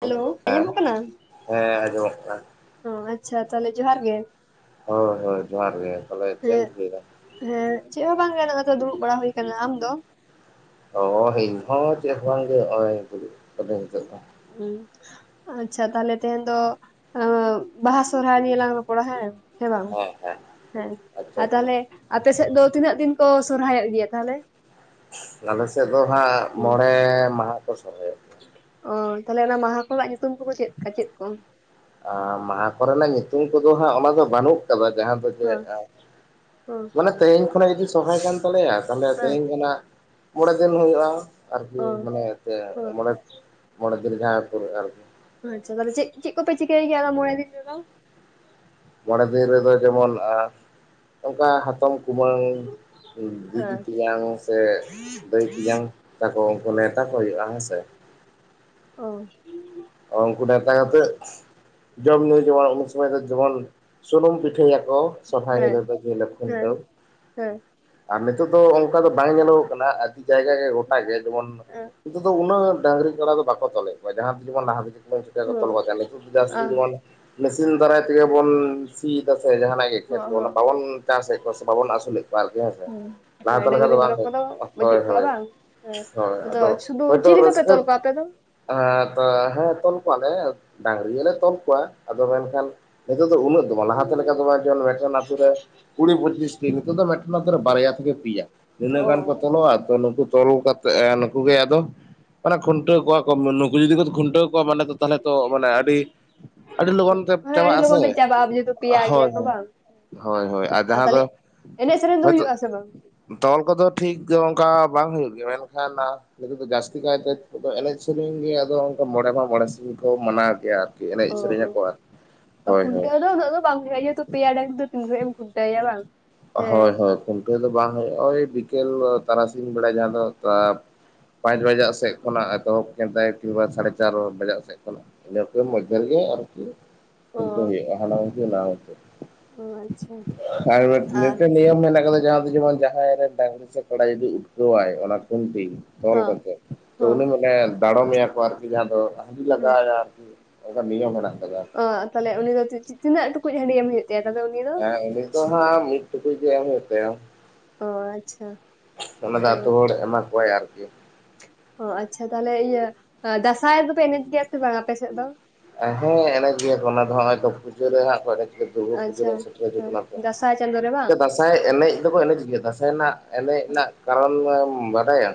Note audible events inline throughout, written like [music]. Hello ᱦᱮᱸ ᱟᱸᱡᱚᱢᱚᱜ ᱠᱟᱱᱟ ᱦᱮᱸ ᱟᱸᱡᱚᱢᱚᱜ ᱠᱟᱱᱟ ᱚ ᱟᱪᱪᱷᱟ ᱛᱟᱦᱚᱞᱮ ᱡᱚᱦᱟᱨ ᱜᱮ ᱦᱳᱭ ᱦᱳᱭ ᱡᱚᱦᱟᱨ ᱜᱮ ᱛᱟᱦᱚᱞᱮ ᱪᱮᱫ ᱵᱤᱱ ᱦᱮᱸ ᱪᱤᱠᱟᱹᱭ ᱫᱟ ᱦᱮᱸ ᱪᱮᱫ ᱦᱚᱸ ᱵᱟᱝ ᱜᱮ ᱱᱚᱜ-ᱚᱭ ᱛᱚ ᱫᱩᱲᱩᱵ ᱵᱟᱲᱟ ᱦᱩᱭ ᱟᱠᱟᱱᱟ ᱟᱢ ᱫᱚ ᱤᱧ ᱦᱚᱸ ᱪᱮᱫ ᱦᱚᱸ ᱵᱟᱝ ᱜᱮ ᱱᱚᱜᱼᱚᱭ ᱫᱩᱲᱩᱵ ᱠᱟᱱᱤᱧ ᱱᱤᱛᱚᱜ ᱫᱚ ᱦᱩᱸ ᱟᱪᱪᱷᱟ ᱛᱟᱦᱚᱞᱮ ᱛᱮᱦᱮᱧ ᱫᱚ ᱩᱸ ᱵᱟᱦᱟ ᱥᱚᱨᱦᱟᱭ ᱱᱤᱭᱟᱹ ᱞᱟᱝ ᱨᱚᱯᱚᱲᱟ ᱦᱮᱸ ᱦᱮᱸ ᱵᱟᱝ ᱦᱮᱸ ᱟᱪᱪᱷᱟ ᱟᱨ ᱟᱪᱪᱷᱟ ᱛᱟᱦᱚᱞᱮ ᱟᱯᱮ ᱥᱮᱫ ᱫᱚ ᱛᱤᱱᱟᱹᱜ ᱫᱤᱱ ᱠᱚ ᱥᱚᱨᱦᱟᱭᱚᱜ ᱜᱮᱭᱟ ᱛᱟᱦᱚᱞᱮ? ᱟᱞᱮ ᱥᱮᱫ ᱫᱚ ᱦᱟᱸᱜ ᱦᱮᱸ ᱢᱚᱬᱮ ᱢᱟᱦᱟ ᱠᱚ ᱥᱚᱦᱨᱟᱭᱚᱜ᱾ ᱚᱻᱚ ᱛᱟᱦᱚᱞᱮ ᱚᱱᱟ ᱢᱟᱦᱟ ᱠᱚᱣᱟᱜ ᱧᱩᱛᱩᱢ ᱠᱚᱫᱚ ᱪᱮᱫᱠᱟ ᱪᱮᱫ ᱠᱚ? ᱮᱸᱻᱮᱸ ᱢᱟᱦᱟ ᱠᱚᱨᱮᱱᱟᱜ ᱧᱩᱛᱩᱢ ᱠᱚᱫᱚ ᱦᱟᱸᱜ ᱚᱱᱟ ᱫᱚ ᱵᱟᱹᱱᱩᱜ ᱠᱟᱫᱟ ᱡᱟᱦᱟᱸ ᱫᱚ ᱦᱮᱸ ᱦᱮᱸ ᱢᱟᱱᱮ ᱛᱮᱦᱤᱧ ᱠᱷᱚᱱᱟᱜ ᱡᱩᱫᱤ ᱥᱚᱨᱦᱟᱭ ᱠᱟᱱ ᱛᱟᱞᱮᱭᱟ ᱛᱟᱦᱞᱮ ᱦᱮᱸ ᱛᱮᱦᱤᱧ ᱠᱷᱚᱱᱟᱜ ᱢᱚᱬᱮ ᱫᱤᱱ ᱦᱩᱭᱩᱜᱼᱟ ᱟᱨᱠᱤ ᱚ ᱢᱟᱱᱮ ᱚ ᱢᱚᱬᱮ ᱢᱚᱬᱮ ᱫᱤᱱ ᱡᱟᱦᱟᱸ ᱯᱩᱨᱟᱹᱜᱼᱟ ᱟᱨᱠᱤ᱾ ᱟᱪᱪᱷᱟ ᱛᱟᱦᱚᱞᱮ ᱪᱮᱫ ᱠᱚᱯᱮ ᱪᱤᱠᱟᱹᱭ ᱜᱮᱭᱟ ᱢᱚᱬᱮ ᱫᱤᱱ ᱫᱚ? ᱢᱚᱬᱮ ᱫᱤᱱ ᱨᱮᱫᱚ ᱡᱮᱢᱚᱱ ᱚᱱᱠᱟ ᱦᱟᱛᱚᱢ ᱠᱩᱢᱟᱹᱝ ᱫᱤᱫᱤ ᱦᱮᱸ ᱛᱮᱧᱟᱝ ᱥᱮ ᱫᱟᱹᱭ ᱛᱮᱭᱟᱝ ᱛᱟᱠᱚ ᱩᱱᱠᱩ ᱱᱮᱣᱛᱟ ᱠᱚ ᱦᱩᱭᱩᱜᱼᱟ ᱦᱮᱸᱥᱮ᱾ ᱚ ᱩᱱᱠᱩ ᱱᱮᱣᱛᱟ ᱠᱟᱛᱮᱜ ᱡᱚᱢ ᱧᱩ ᱡᱮᱢᱚᱱ ᱩᱱ ᱥᱚᱢᱚᱭ ᱫᱚ ᱡᱮᱢᱚᱱ ᱥᱩᱱᱩᱢ ᱯᱤᱴᱷᱟᱹᱭᱟᱠᱚ ᱥᱚᱨᱦᱟᱭ ᱦᱮᱸ ᱦᱤᱞᱳ ᱫᱚ ᱡᱮᱦᱤᱞᱳᱜ ᱦᱮᱸ ᱠᱷᱩᱱᱴᱟᱹᱣ᱾ ᱦᱮᱸ ᱟᱨ ᱱᱤᱛᱚᱜ ᱫᱚ ᱚᱱᱠᱟ ᱫᱚ ᱵᱟᱝ ᱧᱮᱞᱚᱜ ᱠᱟᱱᱟ ᱡᱟᱭᱜᱟ ᱜᱮ ᱜᱚᱴᱟ ᱜᱮ ᱡᱮᱢᱚᱱ ᱦᱩᱸ ᱱᱤᱛᱚᱜ ᱫᱚ ᱩᱱᱟᱹᱜ ᱰᱟᱹᱝᱨᱤ ᱠᱟᱰᱟ ᱫᱚ ᱵᱟᱠᱚ ᱛᱚᱞᱮᱫ ᱠᱚᱣᱟ ᱡᱟᱦᱟᱸ ᱡᱮᱢᱚᱱ ᱞᱟᱦᱟ ᱵᱤᱫᱟᱹᱞ ᱵᱚᱱ ᱪᱤᱠᱟᱹ ᱠᱚ ᱛᱚᱞ ᱵᱟᱫᱟ ᱱᱤᱛᱚᱜ ᱫᱚ ᱡᱟᱹᱥᱛᱤ ᱟᱸ ᱡᱮᱢᱚᱱ ᱢᱮᱥᱤᱱ ᱫᱟᱨᱟᱭ ᱛᱮᱜᱮ ᱵᱚᱱ ᱥᱤ ᱫᱚᱥᱮ ᱡᱟᱦᱟᱱᱟᱜ ᱜᱮ ᱠᱷᱮᱛ ᱠᱚ ᱦᱚᱸ ᱵᱟᱵᱚᱱ ᱪᱟᱥᱮᱫ ᱠᱚᱣᱟ ᱥᱮ ᱵᱟᱵᱚᱱ ᱟᱹᱥᱩᱞᱮᱫ ᱠᱚᱣᱟ ᱟᱨᱠᱤ ᱦᱮᱸ ᱥᱮ᱾ ᱦᱚᱸ ᱞᱟᱦᱟ ᱛᱮ ᱦᱮᱸ ᱠᱷᱟᱱ ᱰᱟᱹᱝᱨᱤ ᱫᱚ ᱵᱟᱝ ᱢᱮᱨᱚᱢ ᱠᱚᱫᱚ ᱦᱳᱭ ᱵᱟᱹᱪᱩᱜ ᱠᱚᱣᱟ ᱦᱳᱭ ᱵᱟᱝ ᱦᱮᱸ ᱦᱳᱭ ᱟᱫᱚ ᱥᱩᱫᱷᱩ ᱦᱳᱭᱛᱳ ᱪᱤᱞᱤ ᱠᱚᱯᱮ ᱨᱟᱹᱥᱠᱟᱹ ᱛᱚᱞ ᱠᱚᱣᱟ ᱟᱯᱮ ᱫᱚ ᱟ ᱟ ᱦᱮᱸ ᱛᱚᱞ ᱠᱚᱣᱟᱞᱮ ᱰᱟᱝᱨᱤ ᱞᱮ ᱛᱚᱞ ᱠᱚᱣᱟ ᱟᱫᱚ ᱢᱮᱱᱠᱷᱟᱱ ᱱᱤᱛᱚᱜ ᱫᱚ ᱩᱱᱟᱹᱜ ᱞᱟᱦᱟᱛᱮ ᱞᱮᱠᱟ ᱫᱚ ᱡᱮ ᱢᱤᱫᱴᱮᱱ ᱟᱛᱳ ᱨᱮ ᱠᱩᱲᱤ ᱯᱚᱸᱪᱤᱥᱴᱤ ᱱᱤᱛᱚᱜ ᱫᱚ ᱢᱤᱫᱴᱮᱱᱛ ᱨᱮ ᱵᱟᱨᱭᱟ ᱛᱷᱮᱠᱮ ᱯᱮᱭᱟ᱾ ᱤᱱᱟᱹᱜ ᱚ ᱜᱟᱱ ᱠᱚ ᱛᱚᱞᱚᱜᱼ ᱟ ᱛᱚ ᱱᱩᱠᱩ ᱛᱚᱞᱚ ᱠᱟᱛ ᱮ ᱱᱩᱠᱩ ᱜᱮ ᱟᱫᱚ ᱢᱟᱱᱮ ᱠᱷᱩᱱᱴᱟᱹᱣ ᱠᱚᱣᱟ ᱢᱩᱞᱩᱜ ᱡᱩᱫᱤ ᱵᱚ ᱠᱷᱩᱱᱴᱟᱹᱣ ᱠᱚᱣᱟ ᱢᱟᱱᱮ ᱛᱟᱦᱚᱞᱮ ᱛᱚ ᱢᱟᱱᱮ ᱟᱹᱰᱤ, ᱟᱹᱰᱤ ᱞᱚᱜᱚᱱ ᱛᱮ ᱪᱟᱵᱟᱜ ᱟᱥᱮ ᱦᱮᱛᱚ ᱯᱮᱭᱟᱭ ᱜᱮᱭᱟ ᱦᱳᱭ ᱠᱚ ᱦᱳᱭ ᱵᱟᱝ? ᱦᱳᱭ ᱦᱳᱭ ᱟᱨ ᱡᱟᱸᱦᱟ ᱫᱚ ᱮᱱᱮᱡ ᱥᱮᱨᱮᱧ ᱫᱚ ᱦᱚᱭᱛᱳ ᱦᱩᱭᱩᱜ ᱟᱥᱮ ᱵᱟᱝ? ᱛᱚᱞ ᱠᱚᱫᱚ ᱴᱷᱤᱠ ᱚᱱᱠᱟ ᱵᱟᱝ ᱦᱩᱭᱩᱜ ᱜᱮᱭᱟ ᱢᱮᱱᱠᱷᱟᱱ ᱟᱱ ᱱᱤᱛᱚᱜ ᱫᱚ ᱡᱟᱹᱥᱛᱤ ᱠᱟᱭᱛᱮ ᱱᱤᱛᱚᱜ ᱫᱚ ᱮᱱᱮᱡ ᱥᱮᱨᱮᱧ ᱜᱮ ᱟᱫᱚ ᱚᱱᱠᱟ ᱢᱚᱬᱮ ᱢᱟᱦᱟ ᱢᱚᱬᱮ ᱥᱤᱧ ᱠᱚ ᱢᱟᱱᱟᱣ ᱜᱮᱭᱟ᱾ ᱟᱨ ᱚ-ᱚ ᱦᱳᱭ ᱠᱷᱩᱱᱴᱟᱣ ᱦᱤᱞᱚᱜ ᱫᱚ ᱟᱫᱚ ᱵᱟᱝ [unintelligible] ᱤᱭᱟᱹ ᱛᱚ ᱯᱮᱭᱟ ᱰᱟᱝᱨᱤ ᱫᱚ ᱛᱤᱱ ᱜᱷᱟᱲᱤᱡ ᱮᱢ ᱠᱷᱩᱱᱴᱟᱣᱟᱭᱟ ᱵᱟᱝ? ᱦᱮᱸ ᱦᱳᱭ ᱦᱳᱭ ᱠᱷᱩᱱᱴᱟᱹᱣ ᱫᱚ ᱵᱟᱝ ᱦᱩᱭᱩᱜᱼᱟ, ᱳᱭ ᱵᱤᱠᱮᱞ ᱛᱟᱨᱟᱥᱤᱧ ᱵᱮᱲᱟ ᱡᱟᱦᱟᱸ ᱫᱚ ᱛᱟᱫ ᱯᱟᱸᱪ ᱵᱟᱡᱟᱜ ᱥᱮᱫ ᱠᱷᱚᱱᱟᱜ ᱮᱛᱚᱦᱚᱵ ᱠᱮᱫᱮᱭ, ᱠᱤᱵᱟ ᱥᱟᱲᱮ ᱪᱟᱨ ᱵᱟᱡᱟᱜ ᱥᱮᱫ ᱠᱷᱚᱱᱟᱜ᱾ ᱤᱱᱟᱹ ᱠᱚ ᱢᱚᱫᱽᱫᱷᱮ ᱨᱮᱜᱮ ᱟᱨᱠᱤ ᱚ ᱠᱷᱩᱱᱴᱟᱹᱣ ᱦᱩᱭᱩᱜᱼᱟ, ᱦᱟᱱᱟ ᱢᱩᱪᱟᱹᱛ ᱱᱟᱣᱟ ᱢᱩᱪᱟᱹᱛ᱾ ᱚ ᱟᱪᱪᱷᱟ, ᱟᱨ ᱱᱤᱭᱚᱢ ᱢᱮᱱᱟᱜ ᱟᱠᱟᱫᱟ ᱡᱟᱦᱟᱸ ᱫᱚ ᱡᱮᱢᱚᱱ ᱡᱟᱦᱟᱸᱭ ᱨᱮᱱ ᱰᱟᱝᱨᱤ ᱥᱮ ᱠᱟᱰᱟ ᱡᱩᱫᱤ ᱩᱴᱠᱟᱹᱣᱟᱭ ᱚᱱᱟ ᱠᱷᱩᱱᱴᱤ ᱛᱚᱞ ᱦᱚᱸ ᱠᱟᱛᱮᱫ ᱛᱚ ᱦᱚᱸ ᱩᱱᱤ ᱢᱟᱱᱮ ᱰᱟᱲᱚᱢᱮᱭᱟ ᱠᱚ ᱟᱨᱠᱤ ᱡᱟᱦᱟᱸ ᱫᱚ ᱦᱟᱺᱰᱤ ᱞᱟᱜᱟᱣ ᱦᱮᱸ ᱟᱭᱟ ᱟᱨᱠᱤ ᱚᱱᱠᱟ ᱱᱤᱭᱚᱢ ᱦᱮᱱᱟᱜ ᱠᱟᱫᱟ᱾ ᱚ ᱛᱟᱦᱚᱞᱮ ᱩᱱᱤ ᱫᱚ ᱛᱤ-ᱛᱤᱱᱟᱹᱜ ᱴᱩᱠᱩᱡ ᱦᱟᱺᱰᱤ ᱮᱢ ᱦᱩᱭᱩᱜ? [inaudible] ᱩᱱᱤ ᱫᱚ ᱦᱮᱸ ᱩᱱᱤ ᱫᱚ ᱦᱟᱸᱜ ᱢᱤᱫ ᱴᱩᱠᱩᱡ ᱜᱮ ᱮᱢ ᱦᱩᱭᱩᱜ ᱛᱟᱭᱟ᱾ ᱚ ᱟᱪᱪᱷᱟ ᱚᱱᱟ ᱫᱚ ᱟᱹᱛᱩ ᱚ ᱦᱚᱲ ᱮᱢᱟ ᱠᱚᱣᱟᱭ ᱟᱨᱠᱤ, ᱚ ᱟᱪᱪᱷᱟ ᱛᱟᱦᱚᱞᱮ ᱤᱭᱟᱹ ᱫᱟᱸᱥᱟᱭ ᱫᱚ ᱯᱮ ᱮᱱᱮᱡ ᱜᱮᱭᱟ ᱥᱮ ᱵᱟᱝ ᱟᱯᱮ ᱥᱮᱫ ᱫᱚ? ᱦᱮᱸ ᱮᱱᱮᱡ ᱜᱮᱭᱟ ᱠᱚ ᱚᱱᱟ ᱫᱚ ᱦᱟᱸᱜᱼᱚᱭ ᱛᱚ ᱯᱩᱡᱟᱹ ᱨᱮ ᱦᱟᱜ ᱠᱚ ᱮᱱᱮᱡ ᱫᱩᱨᱜᱟᱹ ᱯᱩᱡᱟᱹ ᱟᱪᱪᱷᱟ ᱨᱮ ᱥᱮᱴᱮᱨ ᱠᱟᱛᱮᱜ ᱞᱟᱵᱷ ᱦᱮᱸ ᱫᱟᱸᱥᱟᱭ ᱪᱟᱸᱫᱳ ᱨᱮ ᱵᱟᱝ? ᱪᱮᱫ? ᱫᱟᱥᱟᱸᱭ ᱮᱱᱮᱡ ᱫᱚᱠᱚ ᱮᱱᱮᱡ ᱜᱮᱭᱟ, ᱫᱟᱥᱟᱸᱭ ᱨᱮᱱᱟᱜ ᱮᱱᱮᱡ ᱨᱮᱱᱟᱜ ᱠᱟᱨᱚᱱ ᱮᱢ ᱵᱟᱰᱟᱭᱟ?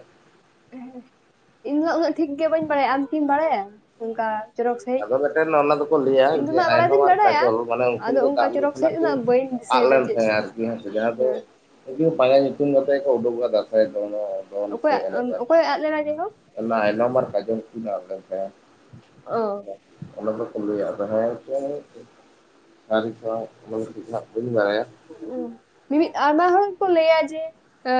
ᱤᱧᱦᱚ ᱩᱱᱟᱹᱜ ᱴᱷᱤᱠ ᱜᱮ ᱵᱟᱹᱧ ᱵᱟᱲᱟᱭᱟ ᱟᱢ ᱠᱤᱢ ᱵᱟᱲᱟᱭᱟ? ᱚᱱᱠᱟ ᱪᱚᱨᱚᱠ ᱥᱟᱺᱦᱤᱡ? ᱟᱫᱚ ᱢᱮᱫᱴᱮᱱ ᱚᱱᱟ ᱫᱚᱠᱚ ᱞᱟᱹᱭᱟ ᱤᱧ ᱫᱚ ᱡᱮ ᱱᱟᱜ ᱵᱟᱲᱟᱭ ᱟᱭᱱᱚᱢ ᱫᱩᱧ ᱟᱨ ᱵᱟᱲᱟᱭᱟ ᱠᱟᱡᱚᱞ ᱢᱟᱱᱮ ᱩᱱᱠᱤᱱ ᱟᱫᱚ ᱫᱚ ᱚᱱᱠᱟ ᱫᱟᱜ ᱞᱩ ᱪᱚᱨᱚᱠ ᱠᱷᱚᱱᱟᱜ ᱥᱟᱺᱦᱤᱡ ᱫᱚ ᱠᱤᱱ ᱱᱟᱜ ᱵᱟᱹᱧ ᱟᱫ ᱫᱤᱥᱟᱹᱭᱮᱫᱟ ᱞᱮᱱ ᱪᱮᱫ ᱛᱟᱦᱮᱸ ᱟᱨᱠᱤ ᱦᱮ ᱥᱮ ᱡᱟᱦᱟᱸ ᱫᱚ ᱦᱮᱸ ᱤᱱᱟᱹ ᱵᱟᱨᱭᱟ ᱧᱩᱛᱩᱢ ᱠᱟᱛᱮᱜ ᱜᱮ ᱠᱚ ᱩᱰᱩᱠᱚᱜᱼᱟ, ᱫᱟᱸᱥᱟᱭ ᱫᱚ, ᱫᱚᱱ ᱚᱠᱚᱭᱟᱜ ᱮᱱᱮᱡ ᱟᱨᱠᱤ ᱚᱠᱚᱭ ᱟᱫ ᱞᱮᱱᱟ ᱡᱮ ᱦᱚᱸ ᱮ ᱟᱭᱱᱚᱢ ᱟᱨ ᱠᱟᱡᱽᱞ ᱢᱟᱨᱟᱝ ᱠᱟᱡᱮᱱᱥᱤ ᱥᱮ ᱚ ᱚᱱᱟ ᱫᱚᱠᱚ ᱞᱟᱹᱭᱟ ᱟᱫᱚ ᱦᱮᱸ [unintelligible] ᱫᱟᱨᱤ ᱠᱚ [unintelligible] ᱪᱮᱫ ᱱᱟᱜ ᱵᱟᱹᱧ ᱵᱟᱲᱟᱭᱟ ᱢᱤᱫ ᱟᱭᱢᱟ ᱦᱚᱲ ᱠᱚ ᱞᱟᱹᱭᱟ ᱡᱮ